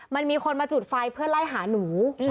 มันมีคนมาจุดไฟเพื่อไล่หาหนู